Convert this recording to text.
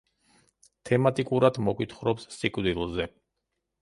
თემატიკურად მოგვითხრობს სიკვდილზე.